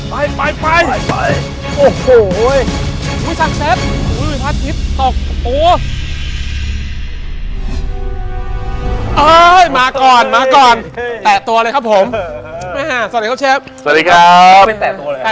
ไปไปไปไปไปไปไปไปไปไปไปไปไปไปไปไปไปไป